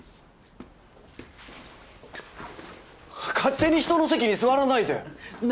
勝手に人の席に座らないで！